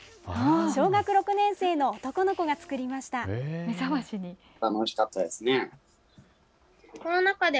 小学６年生の男の子が作りました。